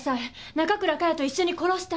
中倉佳世と一緒に殺した。